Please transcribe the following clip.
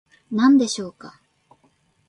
何でしょうか